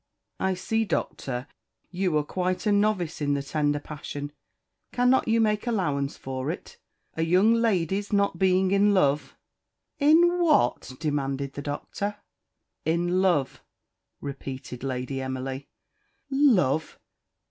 "I see, Doctor, you are quite a novice in the tender passion. Cannot you make allowance for it: a young lady's not being in love?" "In what?" demanded the Doctor. "In love," repeated Lady Emily. "Love!